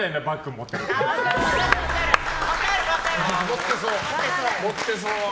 持ってそう！